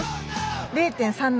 ０．３７！